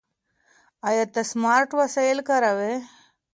ایا ته سمارټ وسایل کاروې؟